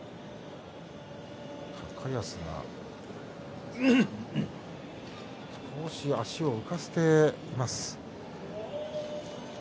高安が少し足を浮かせています。